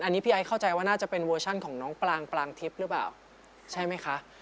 อันนี้พี่ไอ้เข้าใจว่าน่าจะเป็นเวอร์ชันของน้องปลางปลางทิพย์หรือเปล่าใช่ไหมคะ